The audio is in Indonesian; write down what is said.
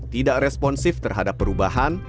tidak responsif terhadap perubahan